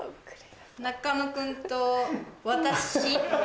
中野君と私？